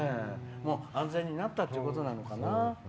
もう安全になったってことなのかな。